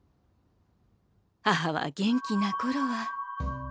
母は元気な頃は。